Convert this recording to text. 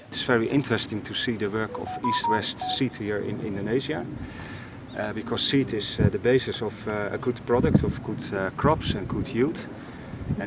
ketersediaan benih unggul adalah asas kemampuan untuk pembelajaran